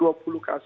sampai sekarang bpn